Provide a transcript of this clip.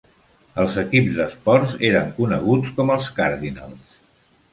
Els equips d'esports eren coneguts com els Cardinals.